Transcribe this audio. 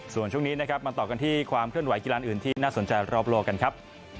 ส่วนช่วงนี้นะครับมาต่อกันที่ความเคลื่อนไหกีฬาอื่นที่น่าสนใจรอบโลกกันครับ